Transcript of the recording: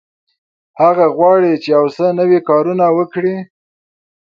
هغه غواړي چې یو څه نوي کارونه وکړي.